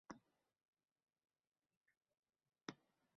Sekingina boshqalardan orqaroqda qolib, qarama-qarshi tomon yo`l oldilar